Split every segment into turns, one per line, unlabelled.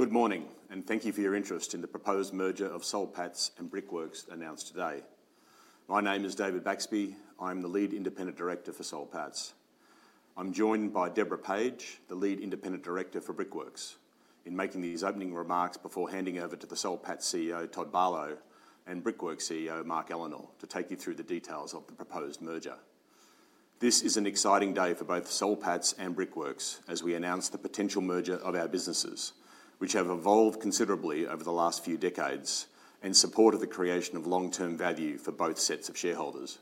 Good morning, and thank you for your interest in the proposed merger of Washington H. Soul Pattinson and Brickworks announced today. My name is David Baxby. I'm the lead independent director for Washington H. Soul Pattinson. I'm joined by Deborah Page, the lead independent director for Brickworks, in making these opening remarks before handing over to the Washington H. Soul Pattinson CEO, Todd Barlow, and Brickworks CEO, Mark Ellenor, to take you through the details of the proposed merger. This is an exciting day for both Washington H. Soul Pattinson and Brickworks as we announce the potential merger of our businesses, which have evolved considerably over the last few decades in support of the creation of long-term value for both sets of shareholders.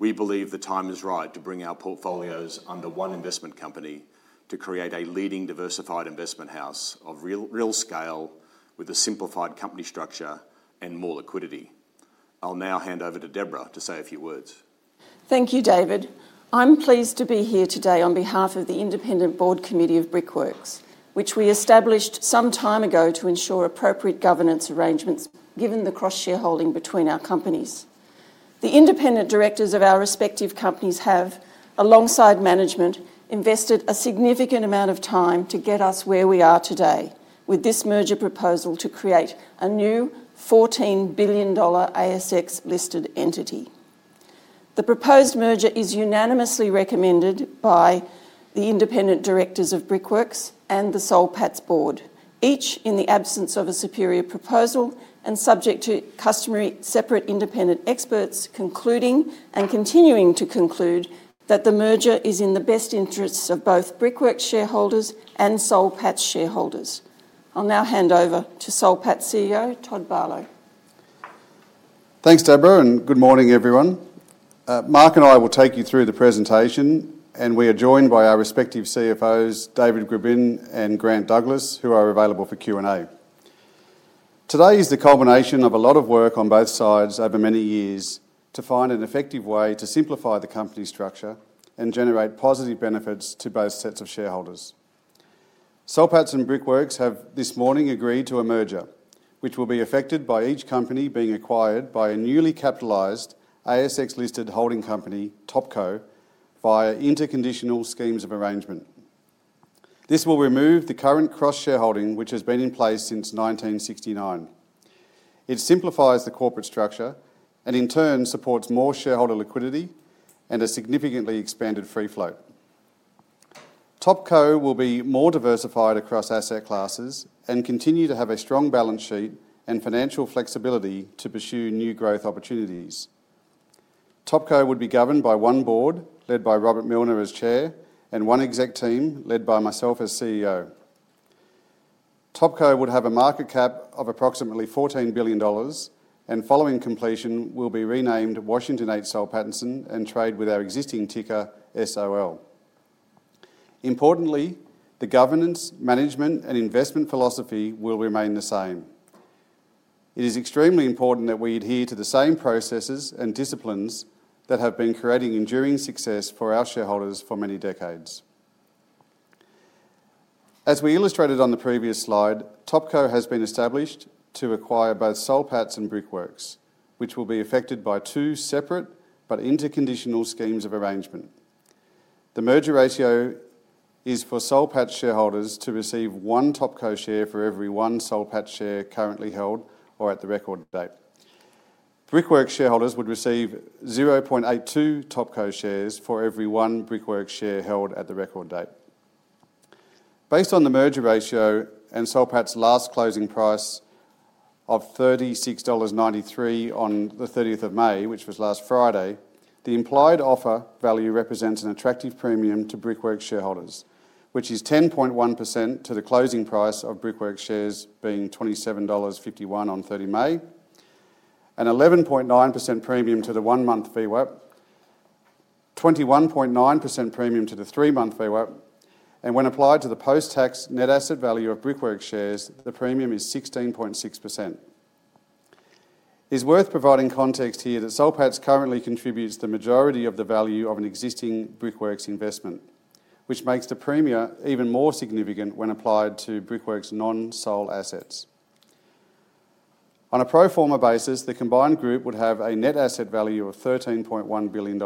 We believe the time is right to bring our portfolios under one investment company to create a leading diversified investment house of real scale with a simplified company structure and more liquidity. I'll now hand over to Deborah to say a few words.
Thank you, David. I'm pleased to be here today on behalf of the independent board committee of Brickworks, which we established some time ago to ensure appropriate governance arrangements given the cross-shareholding between our companies. The independent directors of our respective companies have, alongside management, invested a significant amount of time to get us where we are today with this merger proposal to create a new 14 billion dollar ASX-listed entity. The proposed merger is unanimously recommended by the independent directors of Brickworks and the Soul Pattinson board, each in the absence of a superior proposal and subject to customary separate independent experts concluding and continuing to conclude that the merger is in the best interests of both Brickworks shareholders and Soul Pattinson shareholders. I'll now hand over to Soul Pattinson CEO, Todd Barlow.
Thanks, Deborah, and good morning, everyone. Mark and I will take you through the presentation, and we are joined by our respective CFOs, David Gribbin and Grant Douglas, who are available for Q&A. Today is the culmination of a lot of work on both sides over many years to find an effective way to simplify the company structure and generate positive benefits to both sets of shareholders. Soul Pattinson and Brickworks have this morning agreed to a merger, which will be effected by each company being acquired by a newly capitalized ASX-listed holding company, TopCo, via interconditional schemes of arrangement. This will remove the current cross-shareholding, which has been in place since 1969. It simplifies the corporate structure and, in turn, supports more shareholder liquidity and a significantly expanded free float. TopCo will be more diversified across asset classes and continue to have a strong balance sheet and financial flexibility to pursue new growth opportunities. TopCo would be governed by one board led by Robert Millner as Chair and one exec team led by myself as CEO. TopCo would have a market cap of approximately 14 billion dollars and, following completion, will be renamed Washington H. Soul Pattinson and trade with our existing ticker SOL. Importantly, the governance, management, and investment philosophy will remain the same. It is extremely important that we adhere to the same processes and disciplines that have been creating enduring success for our shareholders for many decades. As we illustrated on the previous slide, TopCo has been established to acquire both Soul Pattinson and Brickworks, which will be effected by two separate but interconditional schemes of arrangement. The merger ratio is for Soul Pattinson shareholders to receive one TopCo share for every one Soul Pattinson share currently held or at the record date. Brickworks shareholders would receive 0.82 TopCo shares for every one Brickworks share held at the record date. Based on the merger ratio and Soul Pattinson's last closing price of $36.93 on the 30th of May, which was last Friday, the implied offer value represents an attractive premium to Brickworks shareholders, which is 10.1% to the closing price of Brickworks shares being $27.51 on 30 May, an 11.9% premium to the one-month VWAP, 21.9% premium to the three-month VWAP, and when applied to the post-tax net asset value of Brickworks shares, the premium is 16.6%. It's worth providing context here that Soul Pattinson currently contributes the majority of the value of an existing Brickworks investment, which makes the premium even more significant when applied to Brickworks' non-Soul assets. On a pro forma basis, the combined group would have a net asset value of AUD 13.1 billion,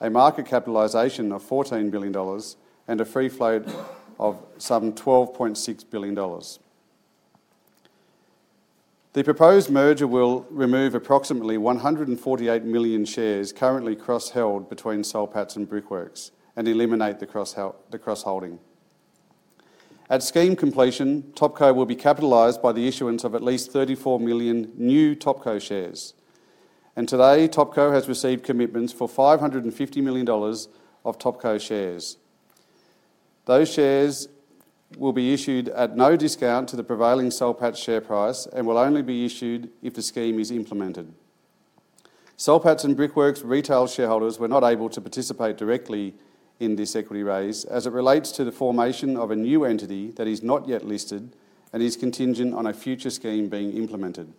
a market capitalisation of AUD 14 billion, and a free float of some AUD 12.6 billion. The proposed merger will remove approximately 148 million shares currently cross-held between Soul Pattinson and Brickworks and eliminate the cross-holding. At scheme completion, TopCo will be capitalised by the issuance of at least 34 million new TopCo shares, and today TopCo has received commitments for $550 million of TopCo shares. Those shares will be issued at no discount to the prevailing Soul Pattinson share price and will only be issued if the scheme is implemented. Soul Pattinson and Brickworks' retail shareholders were not able to participate directly in this equity raise as it relates to the formation of a new entity that is not yet listed and is contingent on a future scheme being implemented.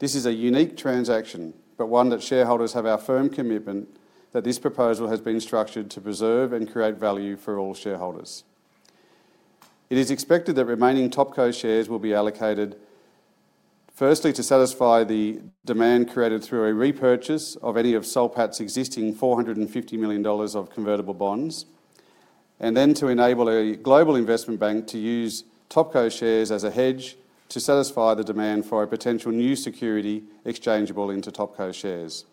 This is a unique transaction, but one that shareholders have our firm commitment that this proposal has been structured to preserve and create value for all shareholders. It is expected that remaining TopCo shares will be allocated, firstly, to satisfy the demand created through a repurchase of any of Soul Pattinson's existing $450 million of convertible bonds, and then to enable a global investment bank to use TopCo shares as a hedge to satisfy the demand for a potential new security exchangeable into TopCo shares.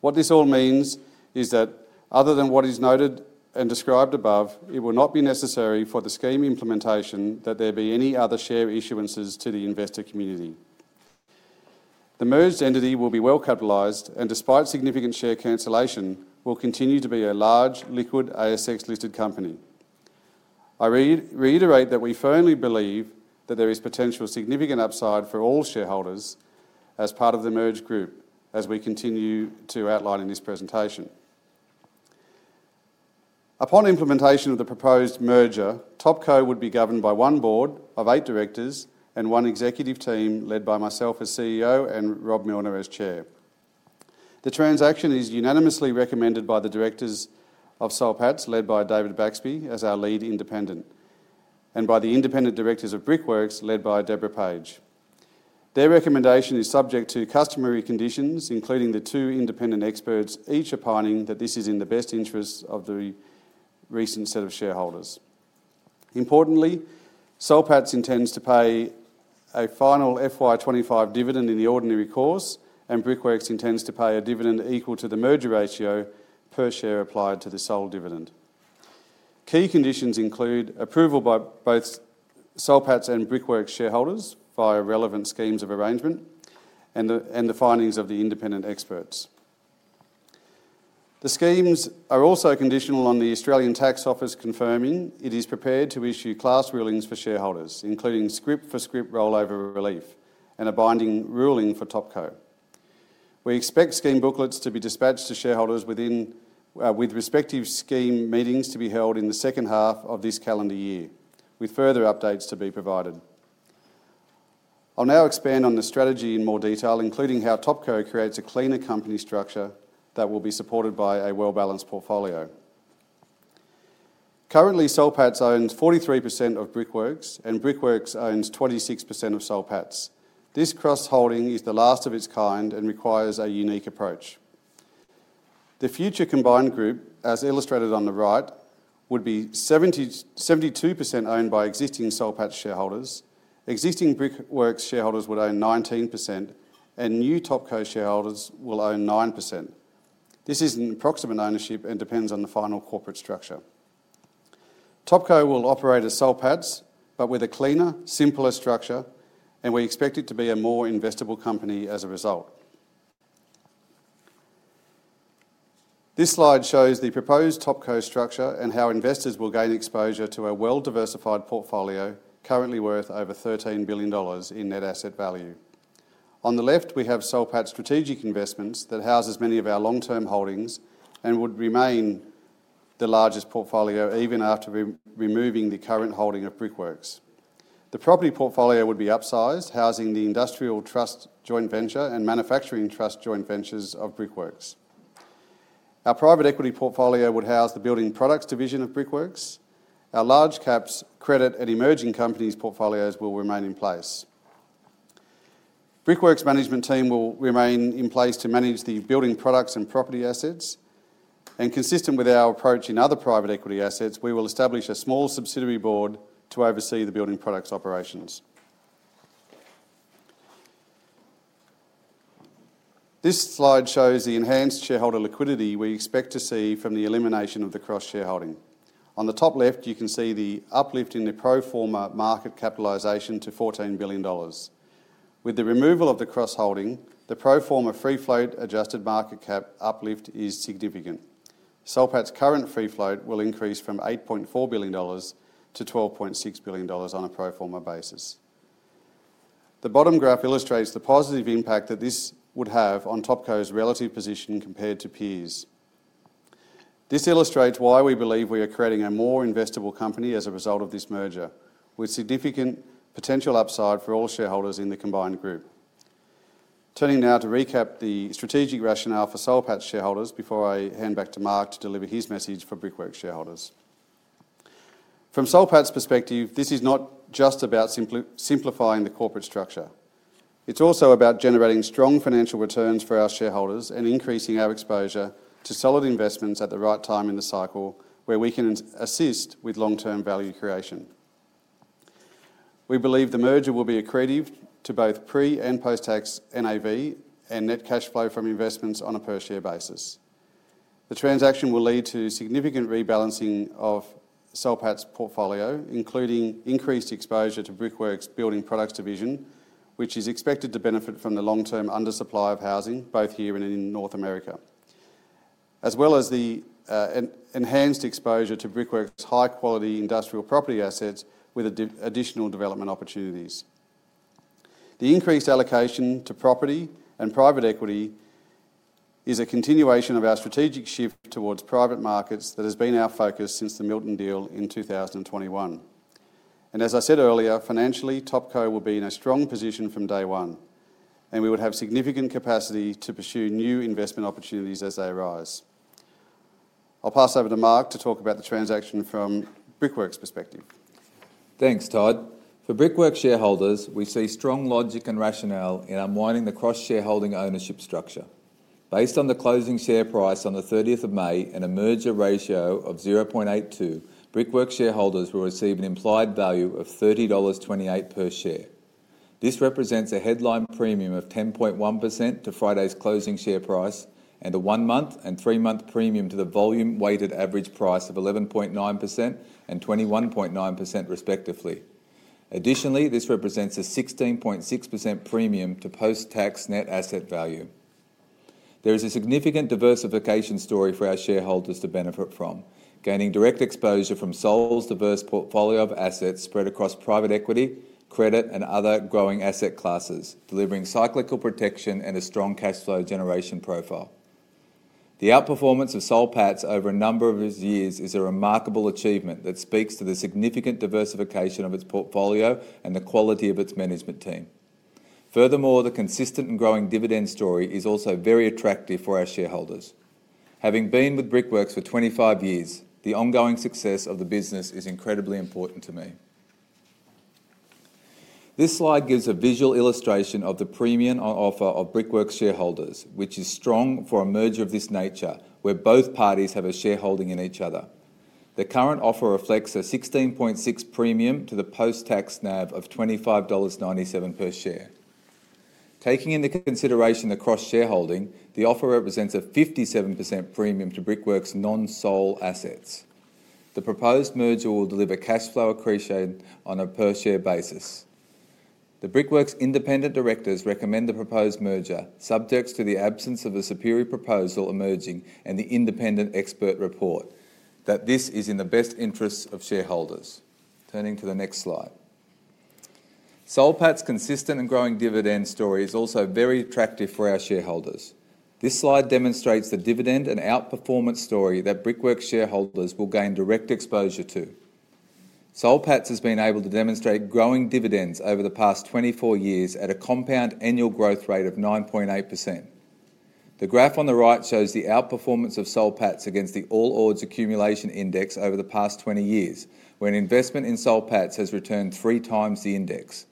What this all means is that, other than what is noted and described above, it will not be necessary for the scheme implementation that there be any other share issuances to the investor community. The merged entity will be well capitalized and, despite significant share cancellation, will continue to be a large, liquid ASX-listed company. I reiterate that we firmly believe that there is potential significant upside for all shareholders as part of the merged group, as we continue to outline in this presentation. Upon implementation of the proposed merger, TopCo would be governed by one board of eight directors and one executive team led by myself as CEO and Robert Millner as chair. The transaction is unanimously recommended by the directors of Soul Pattinson, led by David Baxby as our lead independent, and by the independent directors of Brickworks, led by Deborah Page. Their recommendation is subject to customary conditions, including the two independent experts each opining that this is in the best interests of the relevant set of shareholders. Importantly, Soul Pattinson intends to pay a final FY2025 dividend in the ordinary course, and Brickworks intends to pay a dividend equal to the merger ratio per share applied to the Soul dividend. Key conditions include approval by both Soul Pattinson and Brickworks shareholders via relevant schemes of arrangement and the findings of the independent experts. The schemes are also conditional on the Australian Tax Office confirming it is prepared to issue class rulings for shareholders, including scrip-for-scrip rollover relief and a binding ruling for TopCo. We expect scheme booklets to be dispatched to shareholders with respective scheme meetings to be held in the second half of this calendar year, with further updates to be provided. I'll now expand on the strategy in more detail, including how TopCo creates a cleaner company structure that will be supported by a well-balanced portfolio. Currently, Soul Pattinson owns 43% of Brickworks, and Brickworks owns 26% of Soul Pattinson. This cross-holding is the last of its kind and requires a unique approach. The future combined group, as illustrated on the right, would be 72% owned by existing Soul Pattinson shareholders, existing Brickworks shareholders would own 19%, and new TopCo shareholders will own 9%. This is an approximate ownership and depends on the final corporate structure. TopCo will operate as Soul Pattinson, but with a cleaner, simpler structure, and we expect it to be a more investable company as a result. This slide shows the proposed TopCo structure and how investors will gain exposure to a well-diversified portfolio currently worth over $13 billion in net asset value. On the left, we have Soul Pattinson Strategic Investments that houses many of our long-term holdings and would remain the largest portfolio even after removing the current holding of Brickworks. The property portfolio would be upsized, housing the Industrial Trust Joint Venture and Manufacturing Trust Joint Ventures of Brickworks. Our private equity portfolio would house the Building Products division of Brickworks. Our large-caps credit and emerging companies portfolios will remain in place. Brickworks' management team will remain in place to manage the building products and property assets, and consistent with our approach in other private equity assets, we will establish a small subsidiary board to oversee the building products operations. This slide shows the enhanced shareholder liquidity we expect to see from the elimination of the cross-shareholding. On the top left, you can see the uplift in the pro forma market capitalisation to 14 billion dollars. With the removal of the cross-holding, the pro forma free float adjusted market cap uplift is significant. Soul Pattinson's current free float will increase from $8.4 billion-$12.6 billion on a pro forma basis. The bottom graph illustrates the positive impact that this would have on TopCo's relative position compared to peers. This illustrates why we believe we are creating a more investable company as a result of this merger, with significant potential upside for all shareholders in the combined group. Turning now to recap the strategic rationale for Soul Pattinson shareholders before I hand back to Mark to deliver his message for Brickworks shareholders. From Soul Pattinson's perspective, this is not just about simplifying the corporate structure. It's also about generating strong financial returns for our shareholders and increasing our exposure to solid investments at the right time in the cycle where we can assist with long-term value creation. We believe the merger will be accretive to both pre- and post-tax NAV and net cash flow from investments on a per-share basis. The transaction will lead to significant rebalancing of Soul Pattinson's portfolio, including increased exposure to Brickworks' Building Products Division, which is expected to benefit from the long-term undersupply of housing, both here and in North America, as well as the enhanced exposure to Brickworks' high-quality industrial property assets with additional development opportunities. The increased allocation to property and private equity is a continuation of our strategic shift towards private markets that has been our focus since the Milton deal in 2021. As I said earlier, financially, TopCo will be in a strong position from day one, and we would have significant capacity to pursue new investment opportunities as they arise. I'll pass over to Mark to talk about the transaction from Brickworks' perspective.
Thanks, Todd. For Brickworks shareholders, we see strong logic and rationale in unwinding the cross-shareholding ownership structure. Based on the closing share price on the 30th of May and a merger ratio of 0.82, Brickworks shareholders will receive an implied value of $30.28 per share. This represents a headline premium of 10.1% to Friday's closing share price and a one-month and three-month premium to the volume-weighted average price of 11.9% and 21.9%, respectively. Additionally, this represents a 16.6% premium to post-tax net asset value. There is a significant diversification story for our shareholders to benefit from, gaining direct exposure from SOL's diverse portfolio of assets spread across private equity, credit, and other growing asset classes, delivering cyclical protection and a strong cash flow generation profile. The outperformance of Soul Pattinson over a number of years is a remarkable achievement that speaks to the significant diversification of its portfolio and the quality of its management team. Furthermore, the consistent and growing dividend story is also very attractive for our shareholders. Having been with Brickworks for 25 years, the ongoing success of the business is incredibly important to me. This slide gives a visual illustration of the premium offer for Brickworks shareholders, which is strong for a merger of this nature where both parties have a shareholding in each other. The current offer reflects a 16.6% premium to the post-tax NAV of 25.97 dollars per share. Taking into consideration the cross-shareholding, the offer represents a 57% premium to Brickworks' non-Soul assets. The proposed merger will deliver cash flow accretion on a per-share basis. The Brickworks independent directors recommend the proposed merger, subject to the absence of a superior proposal emerging and the independent expert report, that this is in the best interests of shareholders. Turning to the next slide. Soul Pattinson's consistent and growing dividend story is also very attractive for our shareholders. This slide demonstrates the dividend and outperformance story that Brickworks shareholders will gain direct exposure to. Soul Pattinson has been able to demonstrate growing dividends over the past 24 years at a compound annual growth rate of 9.8%. The graph on the right shows the outperformance of Soul Pattinson against the All Ordinaries Accumulation Index over the past 20 years, where investment in Soul Pattinson has returned three times the index.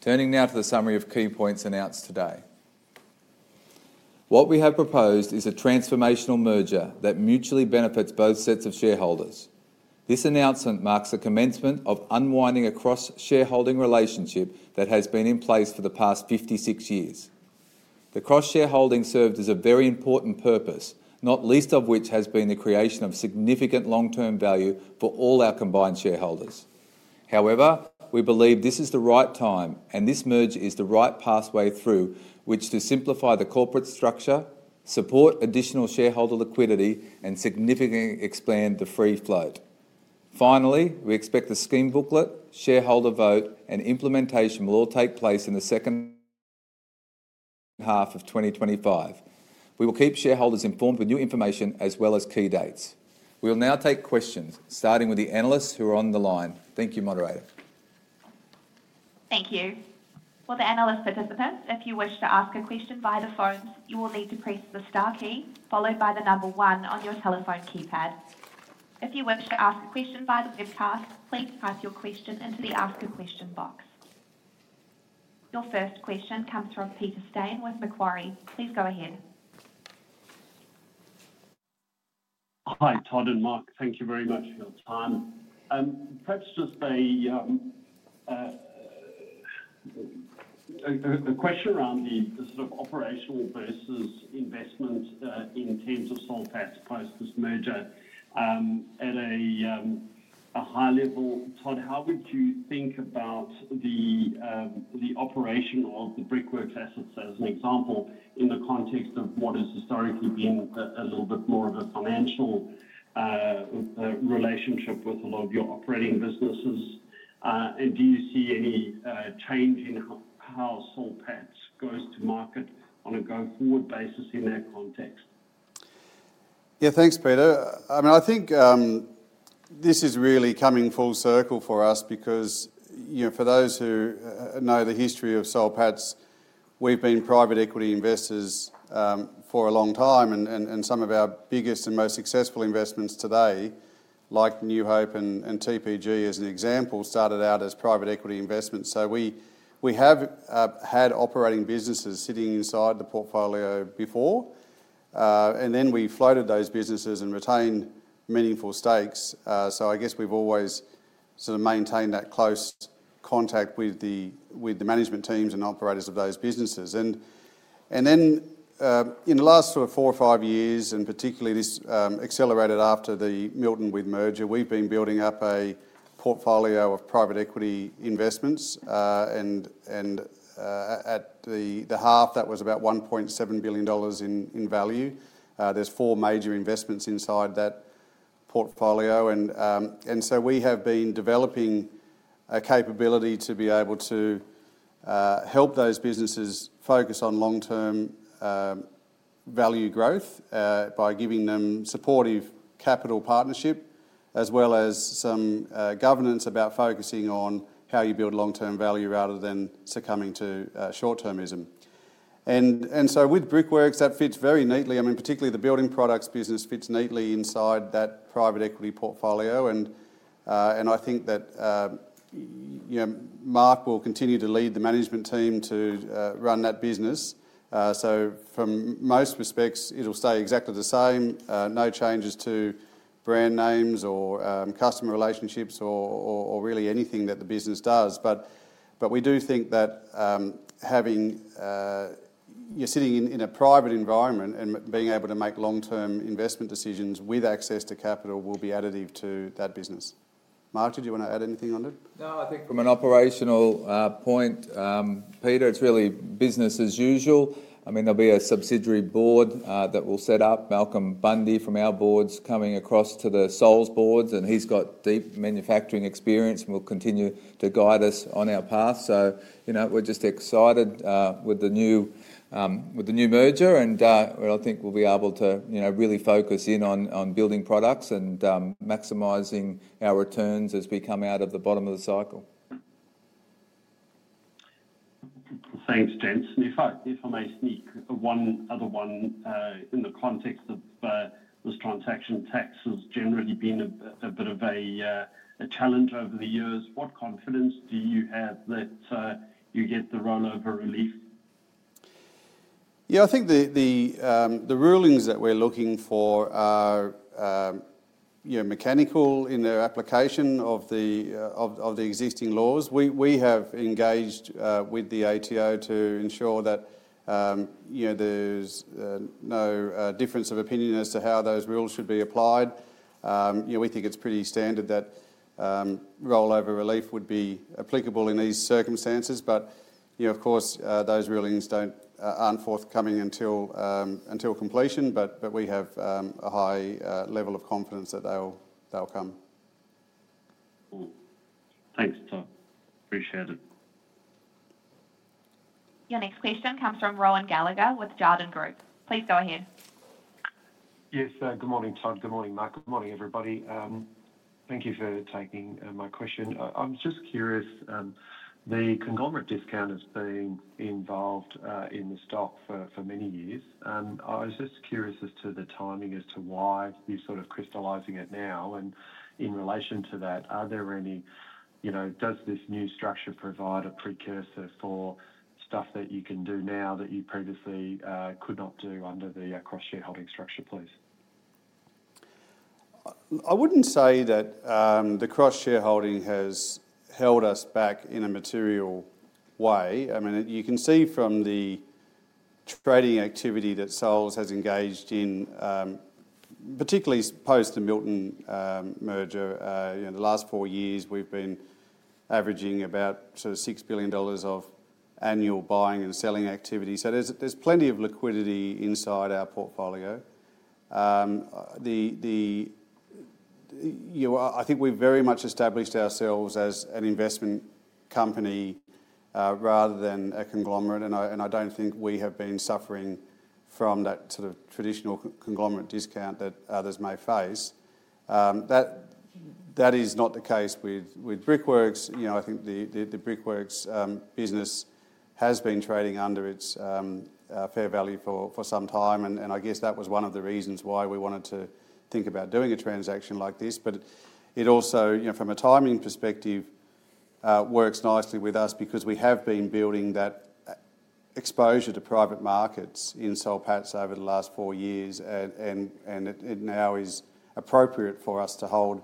Turning now to the summary of key points announced today. What we have proposed is a transformational merger that mutually benefits both sets of shareholders. This announcement marks the commencement of unwinding a cross-shareholding relationship that has been in place for the past 56 years. The cross-shareholding served as a very important purpose, not least of which has been the creation of significant long-term value for all our combined shareholders. However, we believe this is the right time, and this merger is the right pathway through which to simplify the corporate structure, support additional shareholder liquidity, and significantly expand the free float. Finally, we expect the scheme booklet, shareholder vote, and implementation will all take place in the second half of 2025. We will keep shareholders informed with new information as well as key dates. We will now take questions, starting with the analysts who are on the line. Thank you, Moderator.
Thank you. For the analyst participants, if you wish to ask a question via the phone, you will need to press the star key followed by the number one on your telephone keypad. If you wish to ask a question via the webcast, please type your question into the Ask a Question box. Your first question comes from Peter Stein with Macquarie. Please go ahead.
Hi, Todd and Mark. Thank you very much for your time. Perhaps just a question around the sort of operational versus investment in terms of Soul Pats post this merger at a high level. Todd, how would you think about the operation of the Brickworks assets as an example in the context of what has historically been a little bit more of a financial relationship with a lot of your operating businesses? Do you see any change in how Soul Pats goes to market on a go-forward basis in that context?
Yeah, thanks, Peter. I mean, I think this is really coming full circle for us because for those who know the history of Soul Pattinson, we've been private equity investors for a long time, and some of our biggest and most successful investments today, like New Hope and TPG as an example, started out as private equity investments. We have had operating businesses sitting inside the portfolio before, and then we floated those businesses and retained meaningful stakes. I guess we've always sort of maintained that close contact with the management teams and operators of those businesses. In the last four or five years, and particularly this accelerated after the Milton merger, we've been building up a portfolio of private equity investments. At the half, that was about $1.7 billion in value. There are four major investments inside that portfolio. We have been developing a capability to be able to help those businesses focus on long-term value growth by giving them supportive capital partnership, as well as some governance about focusing on how you build long-term value rather than succumbing to short-termism. With Brickworks, that fits very neatly. I mean, particularly the building products business fits neatly inside that private equity portfolio. I think that Mark will continue to lead the management team to run that business. From most respects, it will stay exactly the same. No changes to brand names or customer relationships or really anything that the business does. We do think that you are sitting in a private environment and being able to make long-term investment decisions with access to capital will be additive to that business. Mark, did you want to add anything on it?
No, I think from an operational point, Peter, it's really business as usual. I mean, there will be a subsidiary board that we will set up. Malcolm Bundey from our board is coming across to the SOL boards, and he has deep manufacturing experience and will continue to guide us on our path. We are just excited with the new merger, and I think we will be able to really focus in on building products and maximizing our returns as we come out of the bottom of the cycle.
Thanks, James. If I may sneak one other one in the context of this transaction, tax has generally been a bit of a challenge over the years. What confidence do you have that you get the rollover relief?
Yeah, I think the rulings that we're looking for are mechanical in their application of the existing laws. We have engaged with the ATO to ensure that there's no difference of opinion as to how those rules should be applied. We think it's pretty standard that rollover relief would be applicable in these circumstances. Of course, those rulings aren't forthcoming until completion, but we have a high level of confidence that they'll come.
Thanks, Todd. Appreciate it.
Your next question comes from Rohan Gallagher with Jarden. Please go ahead.
Yes, good morning, Todd. Good morning, Mark. Good morning, everybody. Thank you for taking my question. I'm just curious, the conglomerate discount has been involved in the stock for many years. I was just curious as to the timing as to why you're sort of crystallizing it now. In relation to that, does this new structure provide a precursor for stuff that you can do now that you previously could not do under the cross-shareholding structure, please?
I wouldn't say that the cross-shareholding has held us back in a material way. I mean, you can see from the trading activity that SOL has engaged in, particularly post the Milton merger, in the last four years, we've been averaging about 6 billion dollars of annual buying and selling activity. There is plenty of liquidity inside our portfolio. I think we've very much established ourselves as an investment company rather than a conglomerate. I don't think we have been suffering from that sort of traditional conglomerate discount that others may face. That is not the case with Brickworks. I think the Brickworks business has been trading under its fair value for some time. I guess that was one of the reasons why we wanted to think about doing a transaction like this. It also, from a timing perspective, works nicely with us because we have been building that exposure to private markets in Soul Pattinson over the last four years. It now is appropriate for us to hold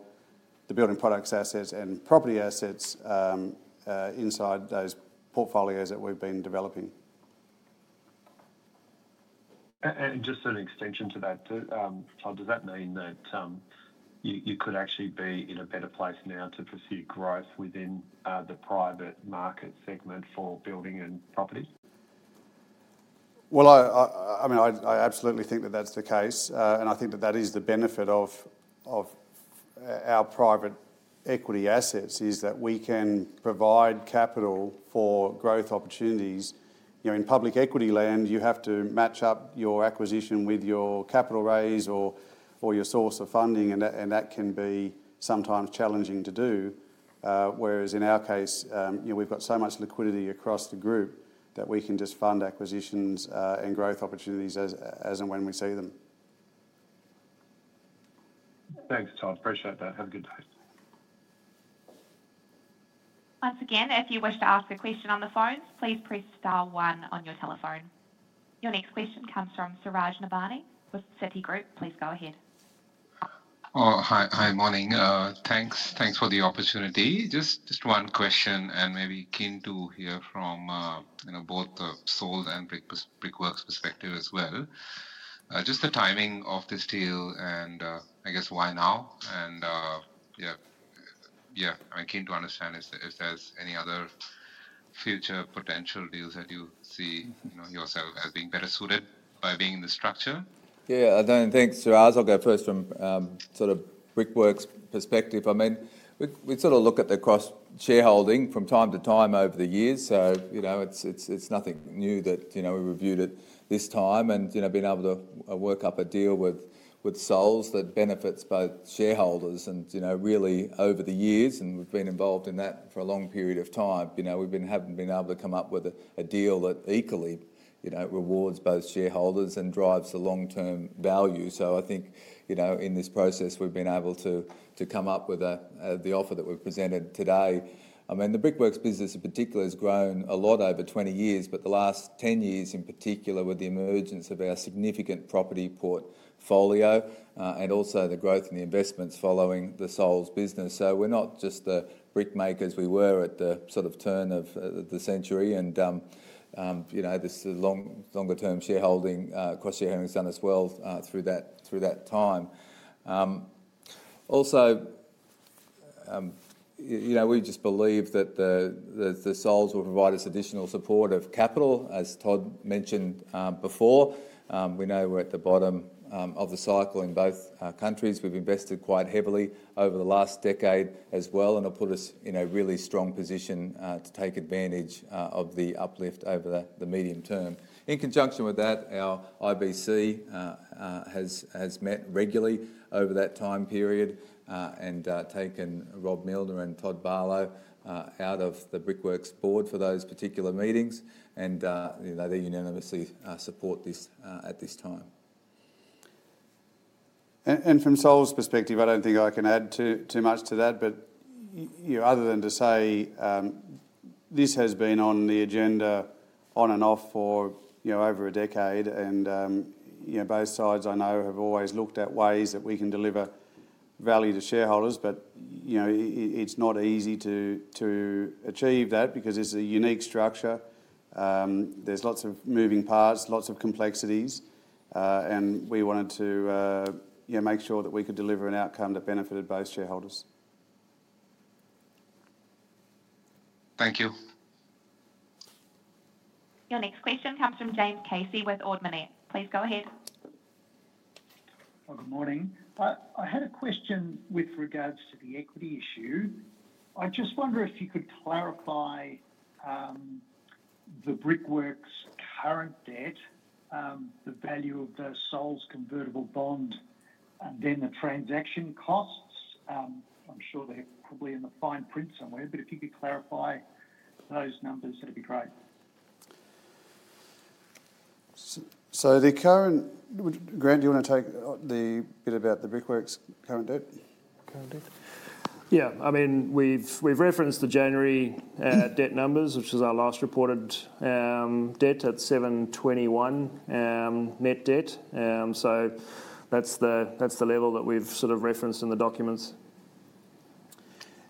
the building products assets and property assets inside those portfolios that we've been developing.
Just an extension to that, Todd, does that mean that you could actually be in a better place now to pursue growth within the private market segment for building and property?
I mean, I absolutely think that that's the case. I think that that is the benefit of our private equity assets, is that we can provide capital for growth opportunities. In public equity land, you have to match up your acquisition with your capital raise or your source of funding. That can be sometimes challenging to do. Whereas in our case, we've got so much liquidity across the group that we can just fund acquisitions and growth opportunities as and when we see them.
Thanks, Todd. Appreciate that. Have a good day.
Once again, if you wish to ask a question on the phone, please press star one on your telephone. Your next question comes from Suraj Nabani with Citi. Please go ahead.
Hi, morning. Thanks for the opportunity. Just one question, and maybe keen to hear from both the SOL and Brickworks perspective as well. Just the timing of this deal and I guess why now. Yeah, I mean, keen to understand if there's any other future potential deals that you see yourself as being better suited by being in the structure.
Yeah, I don't think. I'll go first from sort of Brickworks perspective. I mean, we sort of look at the cross-shareholding from time to time over the years. It's nothing new that we reviewed it this time. Being able to work up a deal with Soul's that benefits both shareholders and really over the years, we've been involved in that for a long period of time. We haven't been able to come up with a deal that equally rewards both shareholders and drives the long-term value. I think in this process, we've been able to come up with the offer that we've presented today. I mean, the Brickworks business in particular has grown a lot over 20 years, but the last 10 years in particular with the emergence of our significant property portfolio and also the growth in the investments following the Soul's business. We're not just the brickmakers we were at the sort of turn of the century. This longer-term shareholding, cross-shareholding has done us well through that time. Also, we just believe that the SOLs will provide us additional supportive capital, as Todd mentioned before. We know we're at the bottom of the cycle in both countries. We've invested quite heavily over the last decade as well, and it'll put us in a really strong position to take advantage of the uplift over the medium term. In conjunction with that, our IBC has met regularly over that time period and taken Robert Millner and Todd Barlow out of the Brickworks board for those particular meetings. They unanimously support this at this time.
From SOL's perspective, I do not think I can add too much to that. Other than to say this has been on the agenda on and off for over a decade. Both sides, I know, have always looked at ways that we can deliver value to shareholders. It is not easy to achieve that because it is a unique structure. There are lots of moving parts, lots of complexities. We wanted to make sure that we could deliver an outcome that benefited both shareholders.
Thank you.
Your next question comes from James Casey with Ord Minnett. Please go ahead.
Good morning. I had a question with regards to the equity issue. I just wonder if you could clarify the Brickworks' current debt, the value of the SOL's convertible bond, and then the transaction costs. I'm sure they're probably in the fine print somewhere. If you could clarify those numbers, that'd be great?
The current—Grant, do you want to take the bit about the Brickworks' current debt?
Current debt?
Yeah. I mean, we've referenced the January debt numbers, which was our last reported debt at 721 million net debt. That's the level that we've sort of referenced in the documents.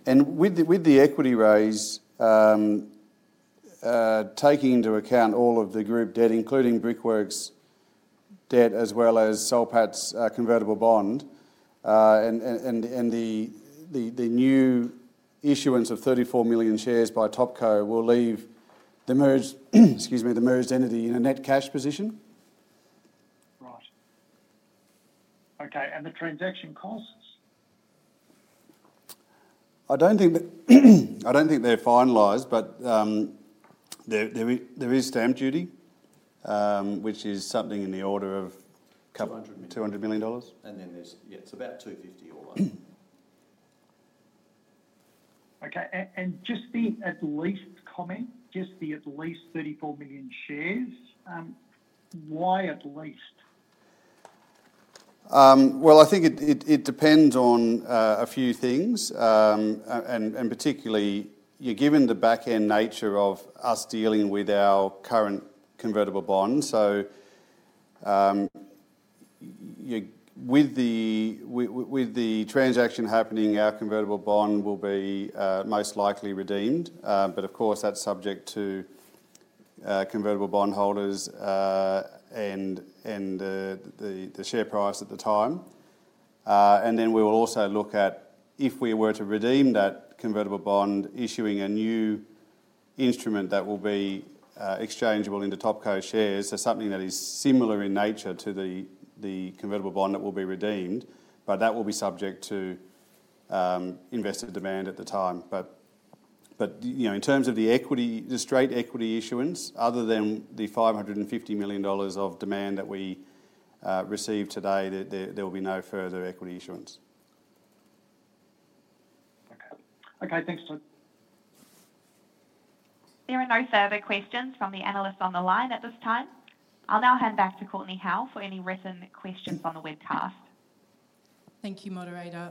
With the equity raise, taking into account all of the group debt, including Brickworks' debt as well as Soul Pattinson's convertible bond, and the new issuance of 34 million shares by TopCo, it will leave the merged entity in a net cash position.
Right. Okay. And the transaction costs?
I don't think they're finalised, but there is stamp duty, which is something in the order of a couple of—
200 million.
$200 million.
Yeah, it's about 250 all over.
Okay. Just the at least comment, just the at least 34 million shares, why at least?
I think it depends on a few things. Particularly, given the back-end nature of us dealing with our current convertible bond. With the transaction happening, our convertible bond will be most likely redeemed. Of course, that is subject to convertible bond holders and the share price at the time. We will also look at if we were to redeem that convertible bond, issuing a new instrument that will be exchangeable into TopCo shares. Something that is similar in nature to the convertible bond that will be redeemed. That will be subject to investor demand at the time. In terms of the straight equity issuance, other than the $550 million of demand that we received today, there will be no further equity issuance.
Okay. Okay. Thanks, Todd.
There are no further questions from the analysts on the line at this time. I'll now hand back to Courtney Howell for any written questions on the webcast.
Thank you, Moderator.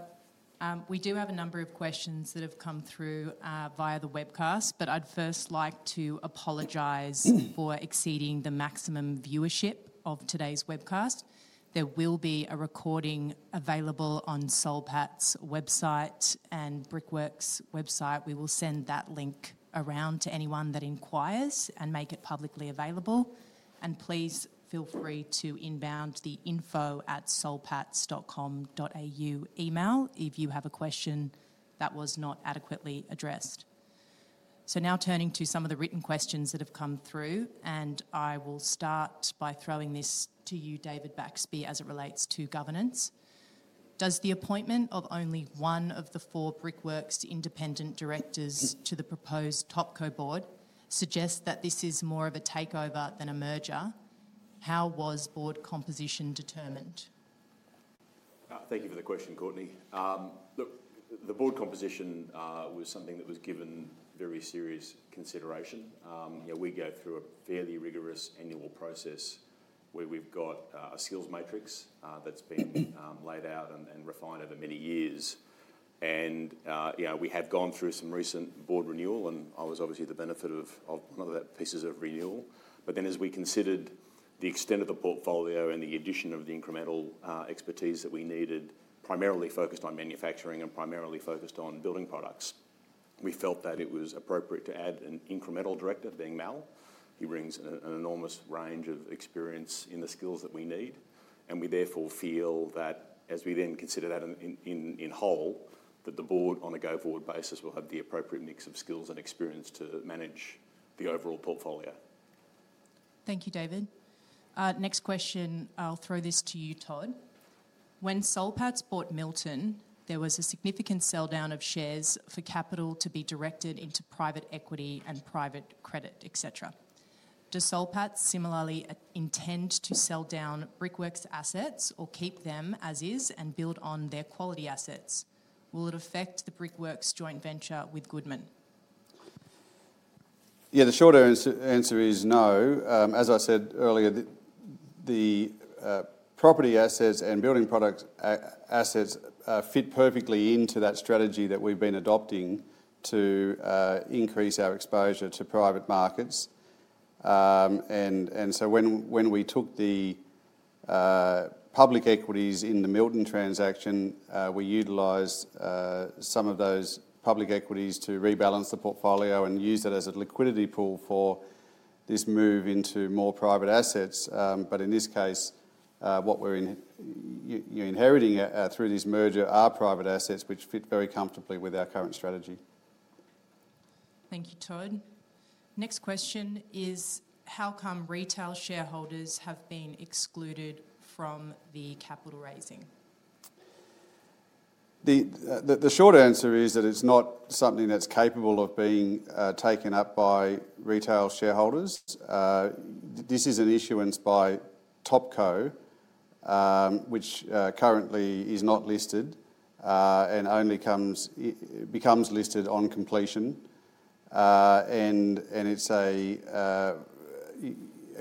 We do have a number of questions that have come through via the webcast, but I'd first like to apologize for exceeding the maximum viewership of today's webcast. There will be a recording available on Soul Pattinson's website and Brickworks' website. We will send that link around to anyone that inquires and make it publicly available. Please feel free to inbound the info@soulpats.com.au email if you have a question that was not adequately addressed. Now turning to some of the written questions that have come through, I will start by throwing this to you, David Baxby, as it relates to governance. Does the appointment of only one of the four Brickworks independent directors to the proposed TopCo board suggest that this is more of a takeover than a merger? How was board composition determined?
Thank you for the question, Courtney. Look, the board composition was something that was given very serious consideration. We go through a fairly rigorous annual process where we've got a skills matrix that's been laid out and refined over many years. We have gone through some recent board renewal. I was obviously the benefit of one of the pieces of renewal. As we considered the extent of the portfolio and the addition of the incremental expertise that we needed, primarily focused on manufacturing and primarily focused on building products, we felt that it was appropriate to add an incremental director, being Mal. He brings an enormous range of experience in the skills that we need. We therefore feel that as we then consider that in whole, that the board on a go-forward basis will have the appropriate mix of skills and experience to manage the overall portfolio.
Thank you, David. Next question, I'll throw this to you, Todd. When Soul Pattinson bought Milton, there was a significant sell-down of shares for capital to be directed into private equity and private credit, etc. Does Soul Pattinson similarly intend to sell down Brickworks' assets or keep them as is and build on their quality assets? Will it affect the Brickworks joint venture with Goodman?
Yeah, the short answer is no. As I said earlier, the property assets and building product assets fit perfectly into that strategy that we've been adopting to increase our exposure to private markets. When we took the public equities in the Milton transaction, we utilized some of those public equities to rebalance the portfolio and use that as a liquidity pool for this move into more private assets. In this case, what we're inheriting through this merger are private assets, which fit very comfortably with our current strategy.
Thank you, Todd. Next question is, how come retail shareholders have been excluded from the capital raising?
The short answer is that it's not something that's capable of being taken up by retail shareholders. This is an issuance by TopCo, which currently is not listed and only becomes listed on completion. It is a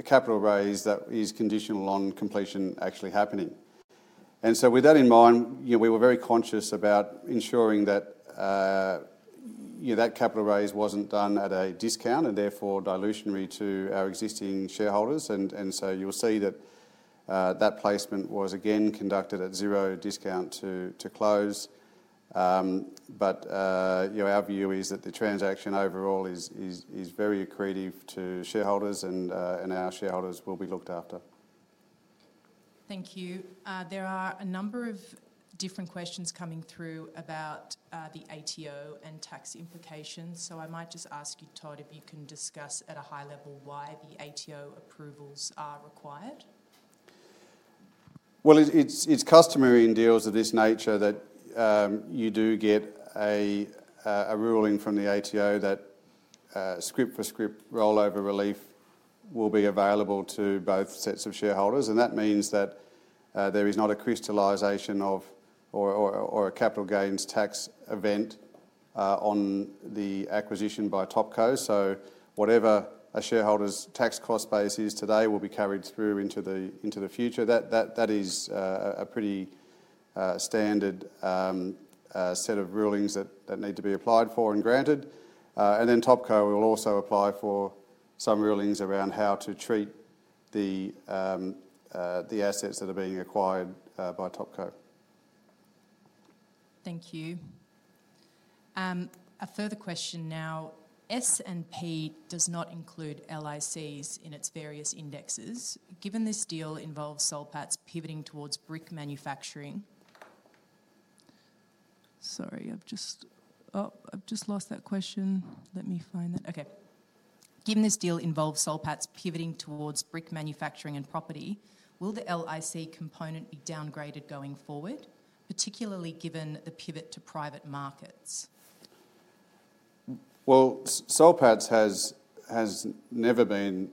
capital raise that is conditional on completion actually happening. With that in mind, we were very conscious about ensuring that that capital raise wasn't done at a discount and therefore dilutionary to our existing shareholders. You'll see that that placement was again conducted at zero discount to close. Our view is that the transaction overall is very accretive to shareholders, and our shareholders will be looked after.
Thank you. There are a number of different questions coming through about the ATO and tax implications. I might just ask you, Todd, if you can discuss at a high level why the ATO approvals are required.
It is customary in deals of this nature that you do get a ruling from the ATO that script-for-script rollover relief will be available to both sets of shareholders. That means that there is not a crystallization of or a capital gains tax event on the acquisition by TopCo. Whatever a shareholder's tax cost base is today will be carried through into the future. That is a pretty standard set of rulings that need to be applied for and granted. TopCo will also apply for some rulings around how to treat the assets that are being acquired by TopCo.
Thank you. A further question now. S&P does not include LICs in its various indexes. Given this deal involves Soul Pattinson pivoting towards brick manufacturing—sorry, I've just lost that question. Let me find that. Okay. Given this deal involves Soul Pattinson pivoting towards brick manufacturing and property, will the LIC component be downgraded going forward, particularly given the pivot to private markets?
SoilPats has never been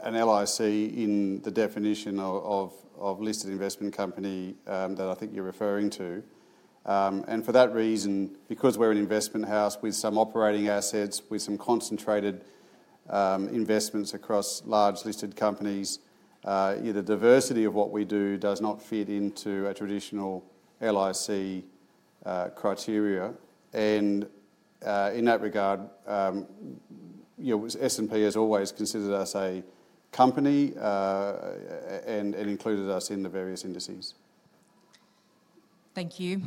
an LIC in the definition of listed investment company that I think you're referring to. For that reason, because we're an investment house with some operating assets, with some concentrated investments across large listed companies, the diversity of what we do does not fit into a traditional LIC criteria. In that regard, S&P has always considered us a company and included us in the various indices.
Thank you.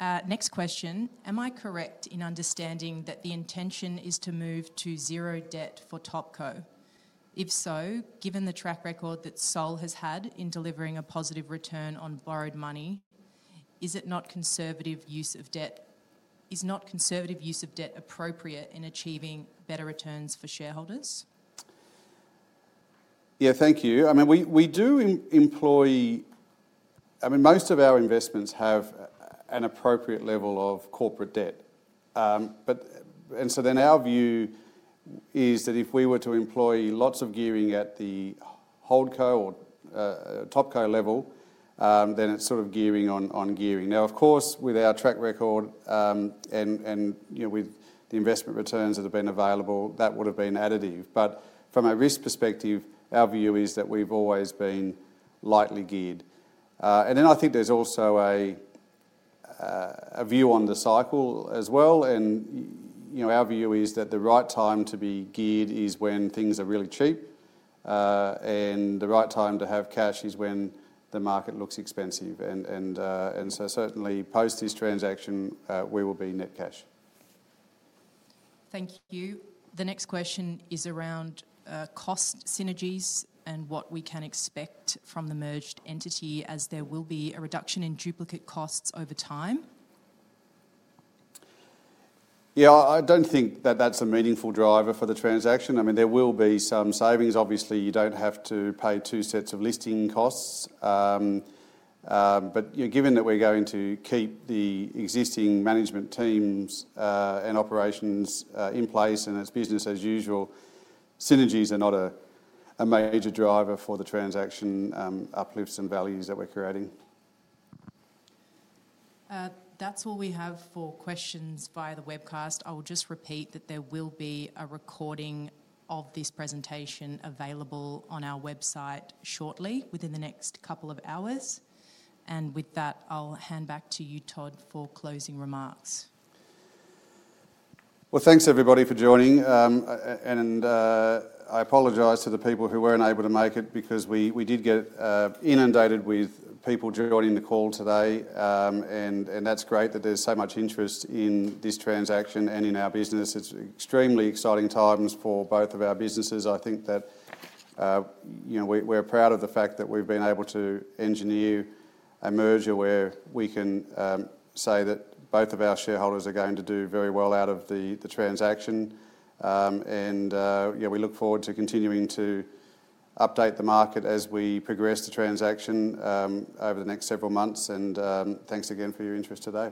Next question. Am I correct in understanding that the intention is to move to zero debt for TopCo? If so, given the track record that SOL has had in delivering a positive return on borrowed money, is it not conservative use of debt? Is not conservative use of debt appropriate in achieving better returns for shareholders?
Yeah, thank you. I mean, we do employ—I mean, most of our investments have an appropriate level of corporate debt. Our view is that if we were to employ lots of gearing at the Holdco or TopCo level, then it is sort of gearing on gearing. Now, of course, with our track record and with the investment returns that have been available, that would have been additive. From a risk perspective, our view is that we have always been lightly geared. I think there is also a view on the cycle as well. Our view is that the right time to be geared is when things are really cheap, and the right time to have cash is when the market looks expensive. Certainly post this transaction, we will be net cash.
Thank you. The next question is around cost synergies and what we can expect from the merged entity as there will be a reduction in duplicate costs over time.
Yeah, I do not think that that is a meaningful driver for the transaction. I mean, there will be some savings. Obviously, you do not have to pay two sets of listing costs. Given that we are going to keep the existing management teams and operations in place and it is business as usual, synergies are not a major driver for the transaction uplifts and values that we are creating.
That's all we have for questions via the webcast. I will just repeat that there will be a recording of this presentation available on our website shortly within the next couple of hours. With that, I'll hand back to you, Todd, for closing remarks.
Thanks everybody for joining. I apologise to the people who were not able to make it because we did get inundated with people joining the call today. That is great that there is so much interest in this transaction and in our business. It is extremely exciting times for both of our businesses. I think that we are proud of the fact that we have been able to engineer a merger where we can say that both of our shareholders are going to do very well out of the transaction. We look forward to continuing to update the market as we progress the transaction over the next several months. Thanks again for your interest today.